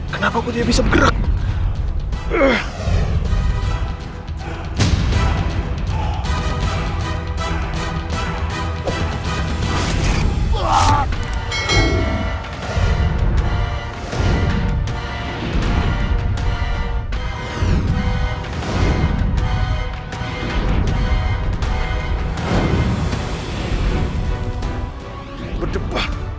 kenapa aku tidak bisa bergerak